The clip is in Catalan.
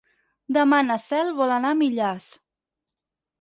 Demà na Cel vol anar a Millars.